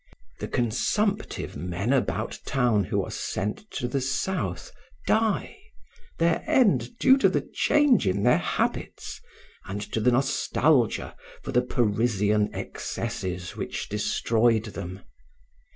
The consumptive men about town who are sent to the South die, their end due to the change in their habits and to the nostalgia for the Parisian excesses which destroyed them.